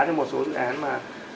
cho một số dự án mà